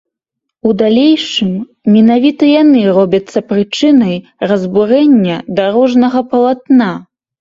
У далейшым менавіта яны робяцца прычынай разбурэння дарожнага палатна.